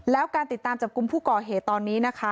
แล้วการติดตามจับกลุ่มผู้ก่อเหตุตอนนี้นะคะ